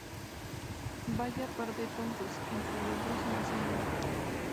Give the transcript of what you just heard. Vaya par de tontos, entre los dos no hacen uno